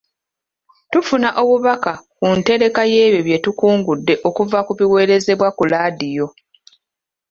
Tufuna obubaka ku ntereka y'ebyo bye tukungudde okuva ku biweerezebwa ku laadiyo.